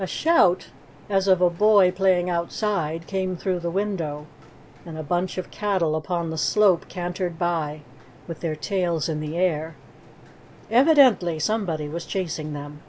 A shout, as of a boy playing outside, came through the window, and a bunch of cattle upon the slope cantered by with their tails in the air. Evidently somebody was chasing them.